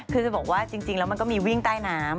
คือจะบอกว่าจริงแล้วมันก็มีวิ่งใต้น้ำ